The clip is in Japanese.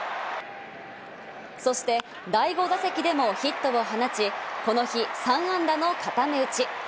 そして第５打席でもヒットを放ち、この日、３安打の固め打ち。